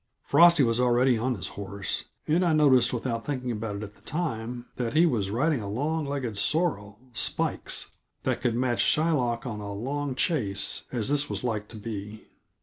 Frosty was already on his horse, and I noticed, without thinking about it at the time, that he was riding a long legged sorrel, "Spikes," that could match Shylock on a long chase as this was like to be.